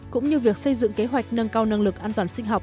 cũng như việc xây dựng kế hoạch nâng cao năng lực an toàn sinh học